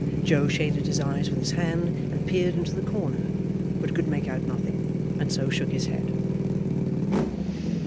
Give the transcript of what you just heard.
Joe shaded his eyes with his hand and peered into the corner, but could make out nothing, and so shook his head.